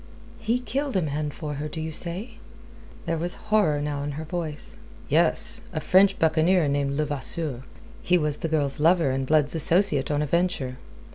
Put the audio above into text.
"He killed a man for her, do you say?" There was horror now in her voice. "Yes a French buccaneer named Levasseur. He was the girl's lover and Blood's associate on a venture.